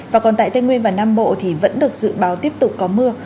và còn tại tây nguyên và nam bộ thì vẫn được dự báo tiếp tục có mưa